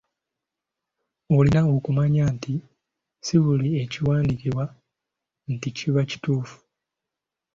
Olina okumanya nti si buli kiwandiikibwa nti kiba kituufu.